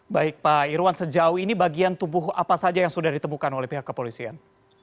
baik pak irwan sejauh ini bagian tubuh apa saja yang sudah ditemukan oleh pihak kepolisian